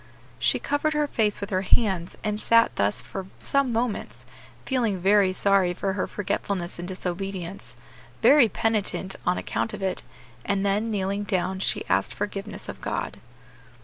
She covered her face with her hands, and sat thus for some moments, feeling very sorry for her forgetfulness and disobedience; very penitent on account of it; and then, kneeling down, she asked forgiveness of God.